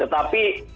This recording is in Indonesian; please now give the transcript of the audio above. terima kasih pak